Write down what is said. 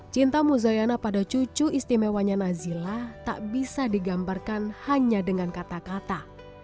cinta muzayana pada cucu istimewanya nazila tak bisa digambarkan hanya dengan kata kata